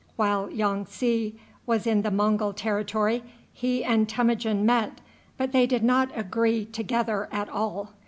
While Yong tsi was in the Mongul territory he and Temujin met, but they did not agree together at all.